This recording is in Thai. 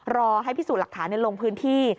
รอให้พิสูจน์หลักฐานลงพื้นที่